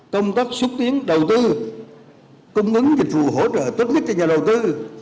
công tác xúc tiến đầu tư cung ứng dịch vụ hỗ trợ tốt nhất cho nhà đầu tư